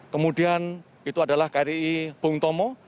kemudian itu adalah kri bung tomo